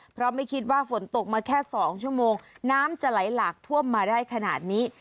เพราะไม่คิดว่าฝนตกมาแค่๒ชั่วโมงน้ำจะไหลหลากท่วมมาได้ขนาดนี้